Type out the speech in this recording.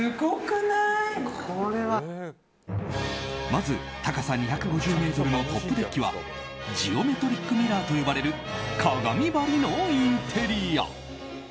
まず高さ２５０ｍのトップデッキはジオメトリックミラーと呼ばれる鏡張りのインテリア。